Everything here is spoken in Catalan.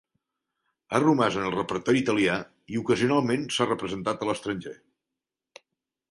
Ha romàs en el repertori italià i ocasionalment s'ha representat a l'estranger.